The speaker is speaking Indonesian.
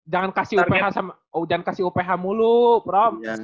jangan kasih uph mulu prof